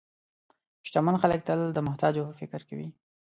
شتمن خلک تل د محتاجو په فکر کې وي.